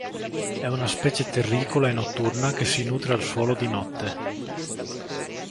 È una specie terricola e notturna che si nutre al suolo di notte.